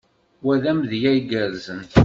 Wa d amedya igerrzen.